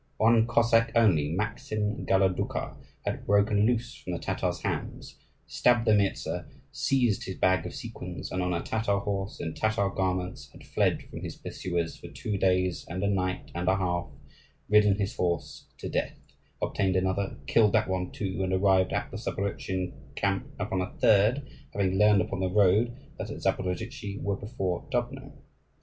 One Cossack only, Maksin Galodukha, had broken loose from the Tatars' hands, stabbed the Mirza, seized his bag of sequins, and on a Tatar horse, in Tatar garments, had fled from his pursuers for two nights and a day and a half, ridden his horse to death, obtained another, killed that one too, and arrived at the Zaporozhian camp upon a third, having learned upon the road that the Zaporozhtzi were before Dubno.